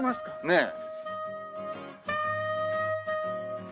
ねえ。